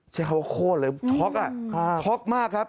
เชี่ยวโคตรเลยท็อกอ่ะท็อกมากครับ